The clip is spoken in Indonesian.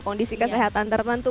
kondisi kesehatan tertentu